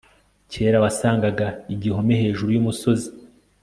kera wasangaga igihome hejuru yumusozi